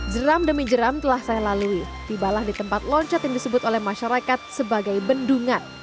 jeram demi jeram telah saya lalui tibalah di tempat loncat yang disebut oleh masyarakat sebagai bendungan